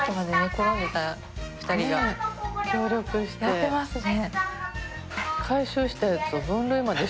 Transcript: やってますね。